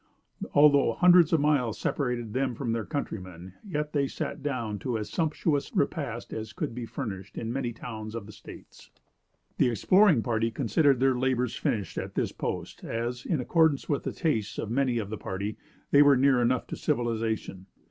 Although hundreds of miles separated from their countrymen, yet they sat down to as sumptuous a repast as could be furnished in many towns of the States. The exploring party considered their labors finished at this post, as, in accordance with the tastes of many of the party, they were near enough to civilization.